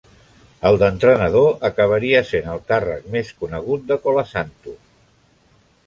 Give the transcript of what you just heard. El d'entrenador acabaria sent el càrrec més conegut de Colasanto.